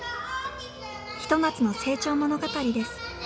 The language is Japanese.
ひと夏の成長物語です。